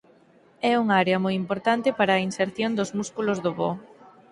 É unha área moi importante para a inserción dos músculos do voo.